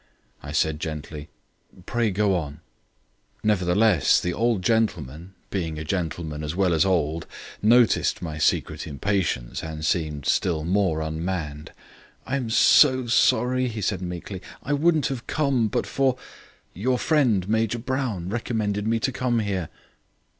I said gently: "Pray go on." Nevertheless the old gentleman, being a gentleman as well as old, noticed my secret impatience and seemed still more unmanned. "I'm so sorry," he said meekly; "I wouldn't have come but for your friend Major Brown recommended me to come here."